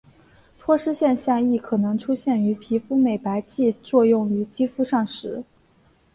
脱失现象亦可能出现于皮肤美白剂作用于肌肤上时。